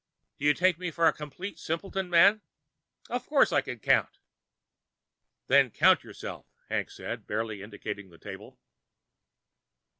Do you take me for a complete simpleton, man? Of course I can count!" "Then count yourself," Hank said, barely indicating the table.